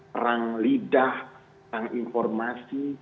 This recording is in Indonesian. perang lidah perang informasi